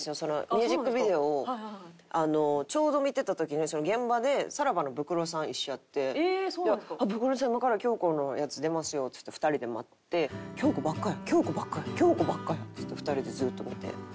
ミュージックビデオをちょうど見てた時に現場でさらばのブクロさん一緒やって「あっブクロさん今から京子のやつ出ますよ」って言って２人で待って「京子ばっかやん」「京子ばっかやん」「京子ばっかやん」っつって２人でずっと見て。